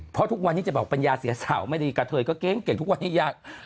เพราะทุกวันนี้จะบอกปัญญาเสียสาวไม่ดีกะเทยก็เก่งทุกวันนี้ยา